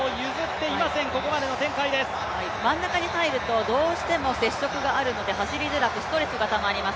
真ん中に入るとどうしても接触があるので走りづらくストレスがたまります。